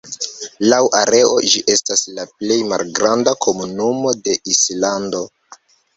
Laŭ areo, ĝi estas la plej malgranda komunumo de Islando.